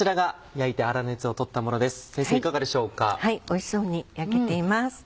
おいしそうに焼けています。